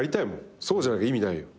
そうじゃなきゃ意味ないよ。